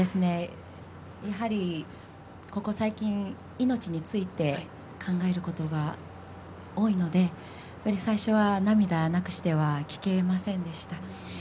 やはり、ここ最近命について考えることが多いので最初は涙なくしては聴けませんでした。